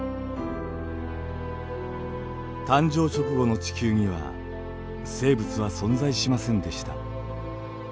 誕生直後の地球には生物は存在しませんでした。